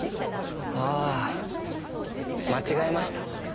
ああ間違えました。